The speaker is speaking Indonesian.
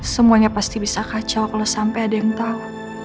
semuanya pasti bisa kacau kalau sampai ada yang tahu